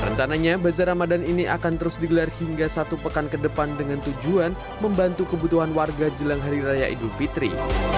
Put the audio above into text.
rencananya bazar ramadan ini akan terus digelar hingga satu pekan ke depan dengan tujuan membantu kebutuhan warga jelang hari raya idul fitri